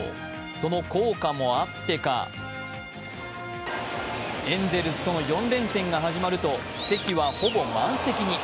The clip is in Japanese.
その効果もあってかエンゼルスとの４連戦が始まると、席はほぼ満席に。